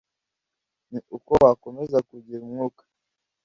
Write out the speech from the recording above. ni uko wakomeza kugira umwuka